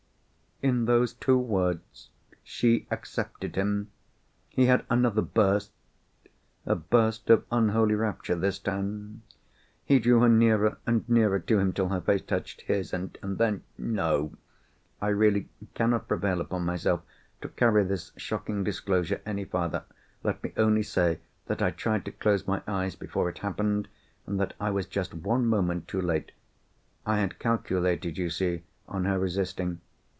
In those two words, she accepted him! He had another burst—a burst of unholy rapture this time. He drew her nearer and nearer to him till her face touched his; and then—No! I really cannot prevail upon myself to carry this shocking disclosure any farther. Let me only say, that I tried to close my eyes before it happened, and that I was just one moment too late. I had calculated, you see, on her resisting.